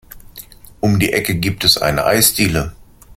Um die Ecke gibt es eine Eisdiele.